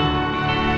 aku mau ke rumah